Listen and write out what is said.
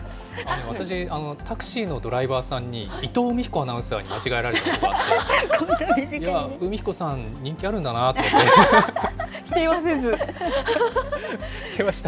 私、タクシーのドライバーさんに、伊藤海彦アナウンサーに間違えられたことがあって、海彦さん、人気あるんだなと思いました。